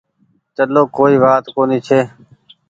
چلو ڪوئي وآت ڪونيٚ ڇي۔